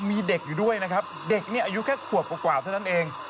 มีเด็กอยู่ด้วยนะครับเด็กนี่อายุแค่ขวบกว่าเท่านั้นเอง